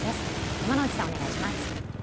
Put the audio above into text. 山内さん、お願いします。